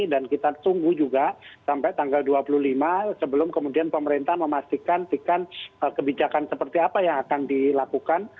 dan kita tunggu juga sampai tanggal dua puluh lima sebelum kemudian pemerintah memastikan kebijakan seperti apa yang akan dilakukan